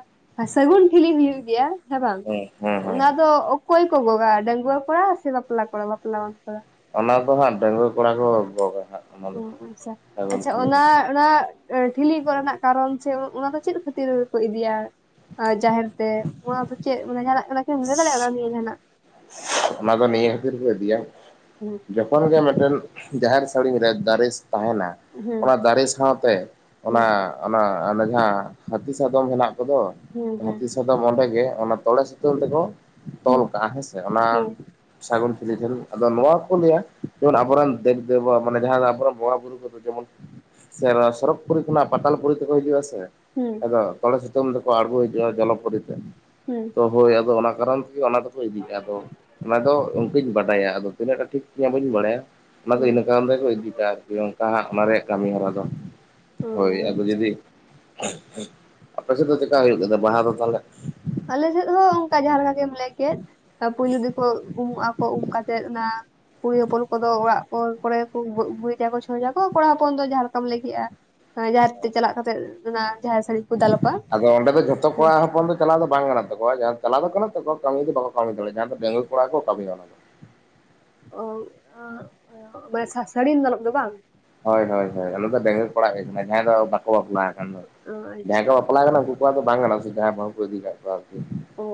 ᱥᱟᱜᱩᱱ ᱴᱷᱤᱞᱤ ᱦᱮᱸ ᱵᱟᱝ ᱦᱮᱸ ᱦᱮᱸ ᱦᱮᱸ ᱚᱱᱟ ᱫᱚ ᱚᱠᱚᱭ ᱠᱚ ᱜᱚᱜ ᱜᱟ ᱰᱟᱹᱝᱜᱩᱣᱟ ᱠᱚᱲᱟ ᱥᱮ ᱵᱟᱯᱞᱟ ᱠᱚ ᱵᱟᱯᱞᱟᱱ ᱠᱚ ᱚᱱᱟ ᱫᱚ ᱦᱟᱸᱜ ᱰᱟᱹᱝᱜᱩᱣᱟᱹ ᱠᱚᱲᱟ ᱠᱚ ᱜᱚᱜᱼᱟ ᱦᱟᱸᱜ ᱚᱱᱟ ᱚ ᱫᱚ ᱟᱪᱪᱷᱟ ᱥᱟᱹᱜᱩᱱ ᱟᱪᱪᱷᱟ ᱴᱷᱤᱞᱤ ᱚᱱᱟ ᱫᱚ ᱚᱱᱟ ᱮ ᱴᱷᱤᱞᱤ ᱠᱚᱨᱮᱱᱟᱜ ᱠᱟᱨᱚᱱ ᱥᱮ ᱚᱱᱟ ᱫᱚ ᱪᱮᱫ ᱠᱷᱟᱹᱛᱤᱨ ᱠᱚ ᱤᱫᱤᱭᱟ ᱟᱨ ᱡᱟᱦᱮᱨ ᱛᱮ ᱚᱱᱟ ᱫᱚ ᱪᱮᱫ ᱡᱟᱦᱟᱞᱱᱟᱜ ᱠᱟᱱᱟ ᱠᱤ ᱞᱟᱹᱭ ᱫᱟᱲᱮᱭᱟᱜᱼᱟ ᱚᱱᱟ ᱱᱤᱭᱟᱹ ᱡᱟᱦᱟᱱᱟᱜ ᱚᱱᱟ ᱫᱚ ᱱᱤᱭᱟᱹ ᱠᱷᱟᱹᱛᱤᱨ ᱠᱚ ᱤᱫᱤᱭᱟ ᱦᱩᱸ ᱡᱚᱠᱷᱚᱱ ᱛᱚᱠᱷᱚᱱ ᱜᱮ ᱢᱤᱫᱴᱮᱱ ᱡᱟᱦᱮᱨ ᱥᱟᱹᱲᱤᱧ ᱨᱮ ᱫᱟᱨᱮᱡ ᱛᱟᱦᱮᱱᱟ ᱦᱩᱸ ᱚᱱᱟ ᱫᱟᱨᱮ ᱥᱟᱶᱛᱮ ᱚᱱᱟ ᱦᱩᱸ ᱚᱱᱟ ᱡᱟᱦᱟᱸ ᱦᱟᱹᱛᱤ ᱥᱟᱫᱚᱢ ᱦᱮᱱᱟᱜ ᱠᱚᱫᱚ ᱦᱩᱸ ᱦᱟᱛᱤ ᱥᱟᱫᱚᱢ ᱚᱸᱰᱮ ᱜᱮ ᱚᱱᱟ ᱛᱚᱲᱮ ᱥᱩᱛᱟᱹᱝ ᱛᱮᱠᱚ ᱛᱚᱞ ᱦᱩᱸ ᱠᱟᱜᱼᱟ ᱦᱮᱸᱥᱮ ᱚᱱᱟ ᱦᱩᱸ ᱥᱟᱹᱜᱩᱱ ᱴᱷᱤᱞᱤ ᱡᱟᱨᱩᱨ ᱟᱫᱚ ᱱᱚᱣᱟ ᱠᱚ ᱞᱟᱹᱭᱟ ᱡᱮᱢᱚᱱ ᱟᱵᱚᱨᱮᱱ ᱫᱮᱵ ᱫᱮᱵᱟ ᱢᱟᱱᱮ ᱡᱟᱦᱟᱸ ᱟᱵᱚ ᱨᱮᱱ ᱵᱚᱸᱜᱟ ᱵᱩᱨᱩ ᱩᱱᱠᱩ ᱠᱚᱫᱚ ᱡᱮᱢᱚᱱ ᱥᱚᱨᱚᱠ ᱯᱩᱨᱤ ᱠᱷᱚᱱᱟᱜ ᱯᱟᱛᱟᱞ ᱯᱩᱨᱤ ᱛᱮᱠᱚ ᱦᱤᱡᱩᱜᱼᱟ ᱥᱮ ᱦᱩᱸ ᱟᱫᱚ ᱛᱚᱲᱮ ᱥᱤᱛᱩᱝ ᱛᱮᱠᱚ ᱟᱬᱜᱳ ᱦᱤᱡᱩᱜᱼᱟ ᱡᱚᱞᱚ ᱯᱩᱨᱤ ᱛᱮ ᱦᱩᱸ ᱛᱚ ᱦᱳᱭ ᱟᱫᱚ ᱚᱱᱟ ᱠᱟᱨᱚᱱ ᱛᱮᱜᱮ ᱚᱱᱟ ᱫᱚᱠᱚ ᱤᱫᱤ ᱠᱟᱜᱼᱟ ᱟᱫᱚ ᱚᱱᱟᱫᱚ ᱚᱱᱠᱟᱹᱧ ᱵᱟᱰᱟᱭᱟ ᱟᱫᱚ ᱛᱤᱱᱟᱹᱜ ᱴᱟ ᱴᱷᱤᱠ ᱛᱧ ᱵᱟᱹᱧ ᱵᱟᱰᱟᱭᱟ ᱦᱩᱸ ᱚᱱᱟᱫᱚ ᱤᱱᱟᱹ ᱦᱩᱸ ᱠᱟᱨᱚᱱ ᱛᱮᱠᱚ ᱤᱫᱤ ᱠᱟᱜ ᱚᱱᱠᱟ ᱦᱟᱜ ᱚᱱᱟ ᱨᱮᱭᱟᱜ ᱠᱟᱹᱢᱤ ᱦᱚᱨᱟ ᱫᱚ ᱚ ᱦᱳᱭ ᱟᱫᱚ ᱟᱪᱪᱷᱟ ᱡᱩᱫᱤ ᱟᱯᱮᱥᱮᱫ ᱫᱚ ᱪᱮᱠᱟ ᱦᱩᱭᱩᱜ ᱠᱟᱱᱟ ᱵᱟᱦᱟ ᱫᱚ ᱛᱟᱦᱚᱞᱮ ᱟᱞᱮᱥᱮᱫ ᱦᱚᱸ ᱚᱱᱠᱟ ᱡᱟᱦᱟᱸ ᱞᱮᱠᱟ ᱜᱮᱢ ᱞᱟᱹᱭ ᱠᱮᱫ ᱛᱟ ᱯᱩᱭᱞᱩ ᱫᱠᱚ ᱩᱢᱩᱜ ᱟᱠᱚ ᱩᱢ ᱠᱟᱛᱮᱜ ᱚᱱᱟ ᱠᱩᱲᱤ ᱦᱚᱯᱚᱱ ᱠᱚ ᱫᱚ ᱚᱲᱟᱜ ᱠᱚ ᱠᱚᱨᱮ ᱜᱮ ᱠᱚ ᱜᱩᱨᱤᱡᱟᱠᱚ ᱪᱷᱚᱪᱟᱠᱚ ᱠᱚᱲᱟ ᱦᱚᱯᱚᱱ ᱫᱚ ᱡᱟᱦᱟᱸ ᱞᱮᱠᱟᱢ ᱞᱟᱹᱭ ᱠᱮᱜᱼᱟ ᱦᱮ ᱡᱟᱦᱮᱨ ᱛᱮ ᱪᱟᱞᱟᱜ ᱠᱟᱛᱮᱜ ᱚᱱᱟ ᱡᱟᱦᱮᱨ ᱥᱟᱹᱲᱤᱢ ᱟᱫᱚ ᱚᱸᱰᱮ ᱫᱚ ᱡᱷᱚᱛᱚ ᱠᱚᱲᱟ ᱦᱚᱯᱚᱱ ᱫᱚ ᱪᱟᱞᱟᱣ ᱫᱚ ᱵᱟᱝ ᱜᱟᱱᱚᱜ ᱛᱟᱠᱚᱣᱟ ᱪᱟᱞᱟᱣ ᱫᱚ ᱜᱟᱱᱚᱜ ᱛᱟᱠᱚᱣᱟ ᱠᱟᱹᱢᱤ ᱫᱚ ᱵᱟᱠᱚ ᱠᱟᱹᱢᱤ ᱫᱟᱲᱮᱭᱟᱜ-ᱟ ᱰᱟᱹᱝᱜᱩᱣᱟ ᱠᱚᱲᱟ ᱠᱚ ᱠᱟᱹᱢᱤᱭᱟ ᱚᱱᱟ ᱫᱚ ᱚ ᱵᱮᱥᱟ ᱥᱟᱹᱲᱤᱢ ᱫᱟᱞᱚᱜ ᱫᱚ ᱵᱟᱝ ᱦᱳᱭ ᱦᱳᱭ ᱦᱳᱭ ᱟᱱᱟ ᱫᱚ ᱵᱟᱸᱜᱩᱭᱟ. ᱠᱚᱲᱟᱜ ᱜᱮ ᱠᱟᱱᱟ ᱡᱟᱦᱟᱸᱭ ᱫᱚ ᱵᱟᱠᱚ ᱵᱟᱯᱞᱟ ᱟᱠᱟᱱ ᱫᱚ ᱚ ᱡᱟᱦᱟᱸᱭ ᱟᱪᱪᱷᱟ ᱠᱚ ᱵᱟᱯᱞᱟ ᱠᱟᱱᱟ ᱩᱱᱠᱩ ᱩᱱᱠᱩ ᱟᱜ ᱫᱚ ᱵᱟᱝ ᱠᱟᱱᱟ ᱥᱮ ᱡᱟᱦᱟᱸ ᱵᱟᱝ ᱠᱚᱣᱟ ᱚ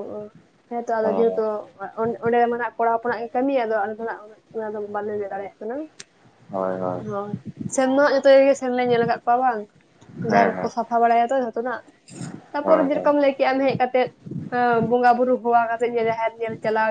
ᱦᱮᱸᱛᱚ ᱟᱫᱚ ᱦᱮᱸ ᱡᱮ ᱛᱚ ᱚ-ᱚᱸᱰᱮ ᱢᱟᱱᱟᱜ ᱠᱚᱲᱟ ᱦᱚᱯᱚᱱᱟᱜ ᱜᱮ ᱠᱟᱹᱢᱤᱭᱟᱫᱚ ᱟᱞᱮ ᱫᱚᱱᱟᱜ ᱚᱱᱟ ᱫᱚ ᱵᱟᱞᱮ ᱞᱟᱹᱭ ᱫᱟᱲᱮᱭᱟᱜ ᱠᱟᱱᱟ ᱦᱳᱭ ᱦᱚ ᱦᱳᱭ ᱥᱮᱱ ᱢᱟ ᱡᱚᱛᱚ ᱜᱮ ᱥᱮᱱᱞᱮ ᱧᱮᱞ ᱟᱠᱟᱫ ᱠᱚᱣᱟ ᱵᱟᱝ ᱦᱮᱸ ᱡᱟᱨ ᱠᱚ ᱦᱮᱸ ᱥᱟᱯᱷᱟ ᱵᱟᱲᱟᱭ ᱛᱚ ᱡᱷᱚᱛᱚ ᱱᱟᱜ ᱛᱟᱨᱯᱚᱨ ᱦᱳᱭ ᱡᱮ ᱦᱳᱭ ᱨᱚᱠᱚᱢ ᱞᱮᱭ ᱦᱮ ᱟᱞᱤᱧ ᱦᱮᱡ ᱠᱟᱛᱮᱜ ᱮᱸᱻ ᱵᱚᱸᱜᱟ ᱵᱩᱨᱩ ᱦᱚᱣᱟ ᱠᱟᱛᱮ ᱡᱟᱦᱮᱨ ᱧᱮᱞ ᱪᱟᱞᱟᱣ